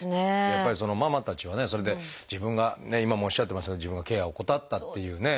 やっぱりママたちはそれで自分が今もおっしゃってましたけど自分がケアを怠ったっていうね。